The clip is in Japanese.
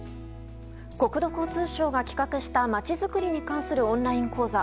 国土交通省が企画したまちづくりに関するオンライン講座。